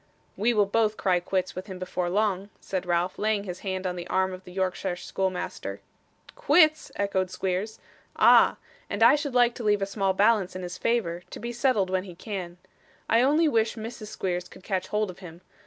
'We will both cry quits with him before long,' said Ralph, laying his hand on the arm of the Yorkshire schoolmaster. 'Quits!' echoed Squeers. 'Ah! and I should like to leave a small balance in his favour, to be settled when he can. I only wish Mrs. Squeers could catch hold of him.